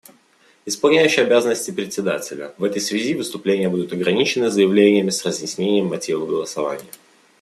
Исполняющий обязанности Председателя: В этой связи выступления будут ограничены заявлениями с разъяснением мотивов голосования.